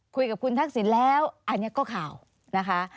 คุยกับคุณทักษิณแล้วอันนี้ก็ข่าวนะคะ